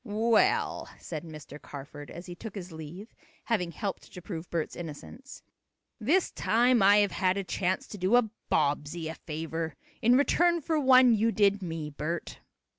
"Well," said Mr. Carford, as he took his leave, having helped to prove Bert's innocence "this time I have had a chance to do a Bobbsey a favor, in return for one you did me, Bert."